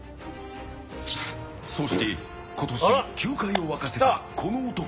そして、今年球界を沸かせた、この男。